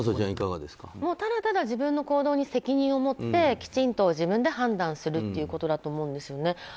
ただただ自分の行動に責任を持ってきちんと自分で判断するということだと思うんですね。